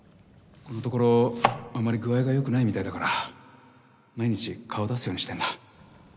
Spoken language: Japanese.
ここのところあまり具合が良くないみたいだから毎日顔出すようにしてるんだ